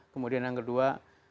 kemudian yang kedua